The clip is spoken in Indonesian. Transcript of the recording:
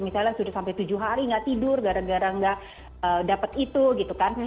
misalnya sudah sampai tujuh hari nggak tidur gara gara nggak dapat itu gitu kan